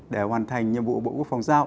để hoàn thành nhiệm vụ bộ quốc phòng giao